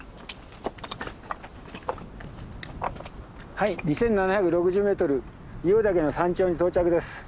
はい２，７６０ｍ硫黄岳の山頂に到着です。